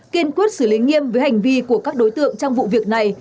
kiên quyết xử lý nghiêm với hành vi của các đối tượng trong vụ việc này